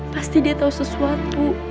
pasti dia tau sesuatu